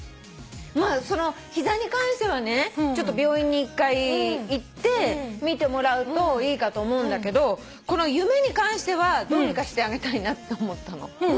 まあその膝に関してはねちょっと病院に一回行って診てもらうといいかと思うんだけどこの夢に関してはどうにかしてあげたいなって思ったの。